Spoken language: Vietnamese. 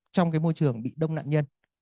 trong môi trường bị đông nạn nhân